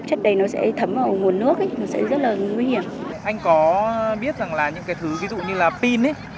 anh có biết rằng là những cái thứ ví dụ như là pin ấy